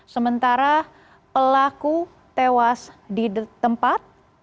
sementara pelaku tewas di tempat